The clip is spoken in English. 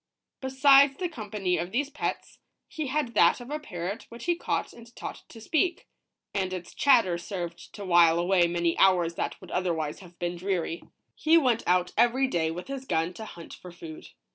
Besides the company of these pets, he had that of a parrot which he caught and taught to speak, and its 139 ROBINSON CRUSOE . chatter served to while away many hours that would other wise have been dreary. He went out every day with his gun to hunt for food.